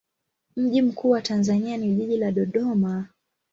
Mji mkuu wa Tanzania ni jiji la Dodoma.